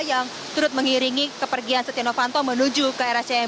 yang turut mengiringi kepergian setia novanto menuju ke rscm